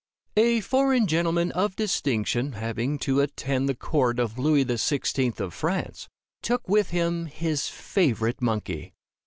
A foreign gentleman of distinction having to attend the court of Louis XVI. of France, took with him his favorite monkey.